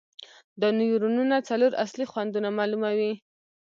دا نیورونونه څلور اصلي خوندونه معلوموي.